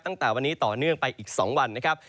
ตั้งแต่วันนี้ต่อเนื่องไปอีก๒วันนะครับ